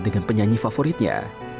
dengan penyanyi favoritnya